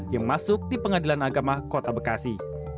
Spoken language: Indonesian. yang masuk di pengadilan agama kota bekasi